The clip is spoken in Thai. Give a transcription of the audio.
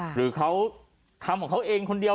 หรือเขาทำของเขาเองคนเดียว